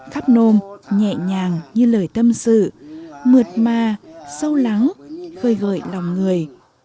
khắp nôm nhẹ nhàng như lời tâm sự mượt mà sâu lắng khơi gợi lòng người